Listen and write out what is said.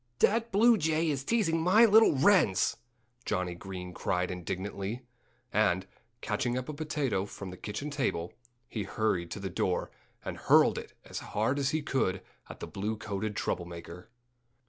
"That blue jay is teasing my little wrens!" Johnnie Green cried indignantly. And, catching up a potato from the kitchen table, he hurried to the door and hurled it as hard as he could at the blue coated trouble maker.